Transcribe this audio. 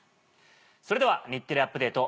それでは『日テレアップＤａｔｅ！』